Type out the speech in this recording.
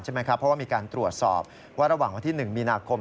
เพราะว่ามีการตรวจสอบว่าระหว่างวันที่๑มีนาคม